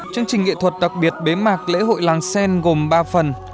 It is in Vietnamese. chương trình nghệ thuật đặc biệt bế mạc lễ hội làng sen gồm ba phần